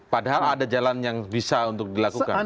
padahal ada jalan yang bisa untuk dilakukan